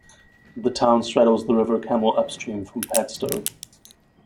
The town straddles the River Camel upstream from Padstow.